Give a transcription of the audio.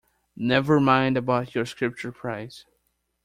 Never mind about your Scripture prize.